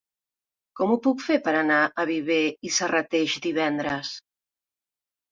Com ho puc fer per anar a Viver i Serrateix divendres?